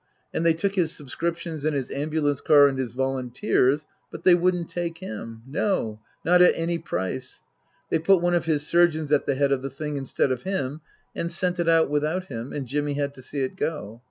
And they took his subscriptions and his Ambulance Car and his volunteers ; but they wouldn't take him ; no, not at any price. They put one of his surgeons at the head of the thing instead of him and sent it out without him, and Jimmy had to see it go.